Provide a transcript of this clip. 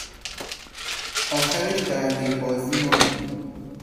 آخرش برنده ی بازی ماییم